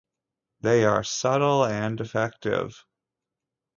They are subtle and effective.